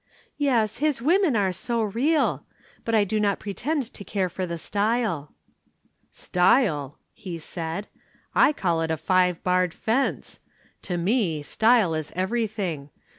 "Yes, his women are so real. But I do not pretend to care for the style." "Style!" he said, "I call it a five barred fence. To me style is everything.